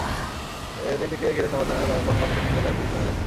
এদিনটিকে ঘিরে সমালোচনা নয়, বরং বাস্তব কিছু লেখার অভিপ্রায় নিয়েই লেখা।